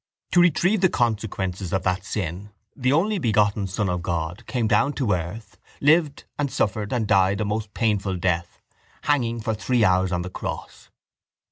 To retrieve the consequences of that sin the Only Begotten Son of God came down to earth, lived and suffered and died a most painful death, hanging for three hours on the cross.